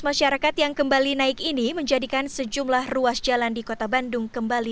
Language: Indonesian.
masyarakat yang kembali naik ini menjadikan sejumlah ruas jalan di kota bandung kembali